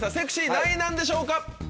何位なんでしょうか？